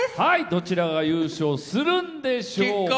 どちらが優勝するんでしょうか。